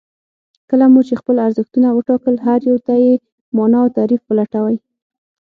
کله مو چې خپل ارزښتونه وټاکل هر يو ته يې مانا او تعريف ولټوئ.